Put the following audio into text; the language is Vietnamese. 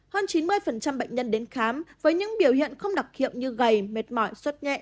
hơn chín mươi bệnh nhân đến khám với những biểu hiện không đặc hiệu như gầy mệt mỏi suốt nhẹ